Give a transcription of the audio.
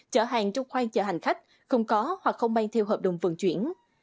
chở hàng trong khoang chở hành khách không có hoặc không mang theo hợp đồng vận chuyển